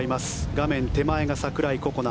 画面手前が櫻井心那